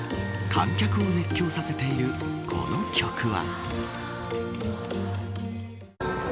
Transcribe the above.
観客を熱狂させているこの曲は。